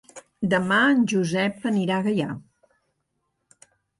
Demà en Josep anirà a Gaià.